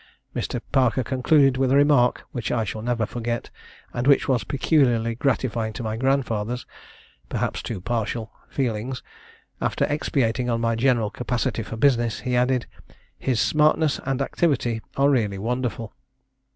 Mr. Parker concluded with a remark, which I shall never forget, and which was peculiarly gratifying to my grandfather's (perhaps too partial) feelings: after expatiating on my general capacity for business, he added, 'his smartness and activity are really wonderful.'